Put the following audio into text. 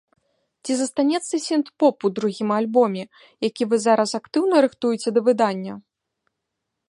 Ці застанецца сінт-поп у другім альбоме, які вы зараз актыўна рыхтуеце да выдання?